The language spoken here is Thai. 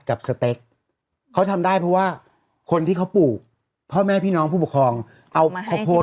ใช่นี่มีถูกต้องหมด